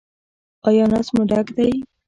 ایا نس مو ډک دی؟